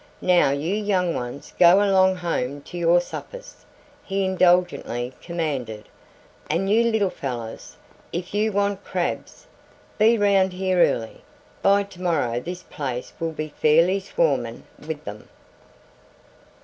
Now you young ones go along home to your suppers," he indulgently commanded, "and you little fellers, if you want crabs, be 'round here early. By to morrow this place will be fairly swarmin' with them."